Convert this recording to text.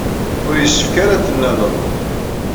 Ur yessefk ara ad t-tennaled.